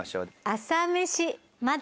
『朝メシまで。』。